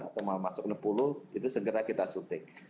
atau mau masuk enam puluh itu segera kita suntik